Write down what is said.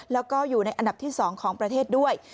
แล้วก็อยู่ในอันดับที่๒ของประเทศด้วย